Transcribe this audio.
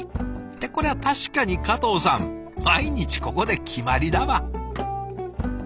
ってこれは確かに加藤さん毎日ここで決まりだわ。